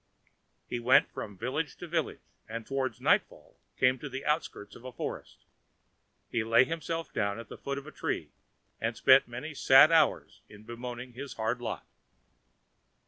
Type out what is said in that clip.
He went from village to village, and towards nightfall came to the outskirts of a forest. He laid himself down at the foot of a tree, and spent many a sad hour in bemoaning his hard lot.